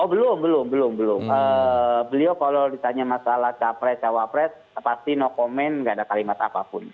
oh belum belum belum beliau kalau ditanya masalah capres cawapres pasti no comment gak ada kalimat apapun